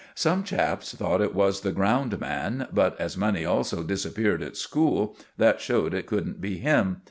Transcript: Some chaps thought it was the ground man; but as money also disappeared at school, that showed it couldn't be him.